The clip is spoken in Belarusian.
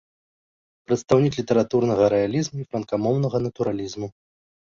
Прадстаўнік літаратурнага рэалізму і франкамоўнага натуралізму.